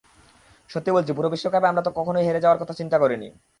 সত্যি বলছি, পুরো বিশ্বকাপে আমরা কখনোই হেরে যাওয়ার কথা চিন্তা করিনি।